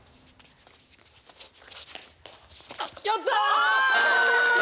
やった！